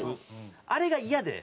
あれが嫌で。